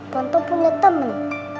tante punya temen